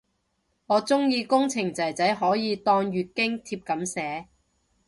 我鍾意工程仔仔可以當月經帖噉寫